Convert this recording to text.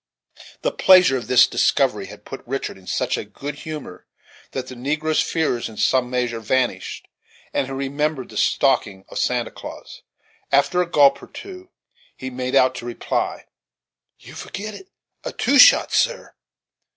The pleasure of this discovery had put Richard in such a good humor, that the negro's fears in some measure vanished, and he remembered the stocking of Santa Claus. After a gulp or two, he made out to reply; "You forgit a two shot, sir?"